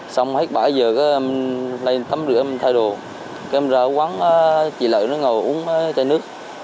xong hết bảy h là em lên tắm rửa em thay đồ em ra quán chị lợi nó ngồi uống chai nước